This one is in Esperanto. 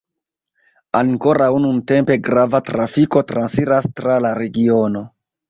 Ankoraŭ nuntempe grava trafiko transiras tra la regiono.